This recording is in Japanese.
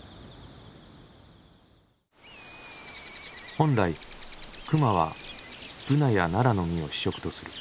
本来熊はブナやナラの実を主食とする。